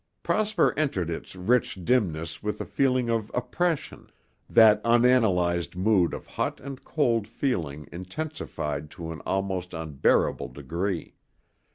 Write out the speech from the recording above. Prosper entered its rich dimness with a feeling of oppression that unanalyzed mood of hot and cold feeling intensified to an almost unbearable degree.